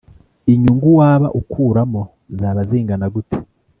Inyungu waba ukuramo zaba zingana gute